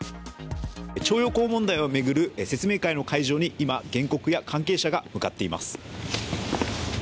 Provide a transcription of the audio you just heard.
徴用工問題を巡る説明会の会場に原告たちが向かっています。